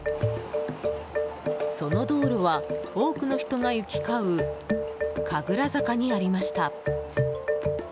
その道路は多くの人が行き交う神楽坂にありました。